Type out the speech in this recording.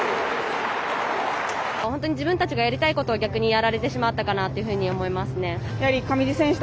本当に自分たちがやりたいことを逆にやられてしまったかなというふうに思いますね。